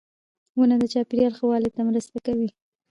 • ونه د چاپېریال ښه والي ته مرسته کوي.